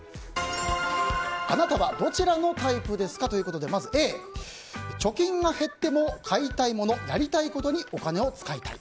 あなたはどちらのタイプですか？ということでまず、Ａ貯金が減っても買いたいものやりたいことにお金を使いたい。